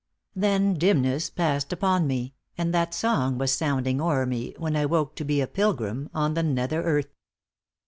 * Then dimness passed upon me, and that song Was sounding o'er me when I woke To be a pilgrim on the nether earth.